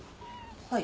はい。